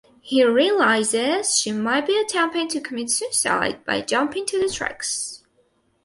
He realizes she might be attempting to commit suicide by jumping to the tracks.